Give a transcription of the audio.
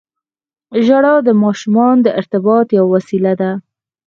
• ژړا د ماشومانو د ارتباط یوه وسیله ده.